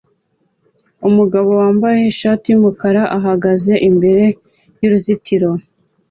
Umugabo wambaye ishati yumukara ahagaze imbere yuruzitiro